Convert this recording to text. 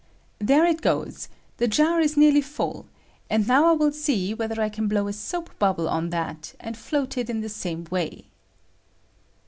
There it goes; the jar is nearly full, and now I will see whether I can blow a soap bubble on that and float it in the same way.